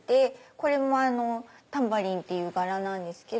これタンバリンって柄なんですけど。